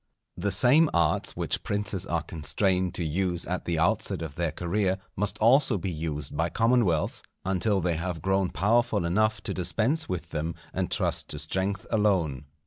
The same arts which princes are constrained to use at the outset of their career, must also be used by commonwealths, until they have grown powerful enough to dispense with them and trust to strength alone.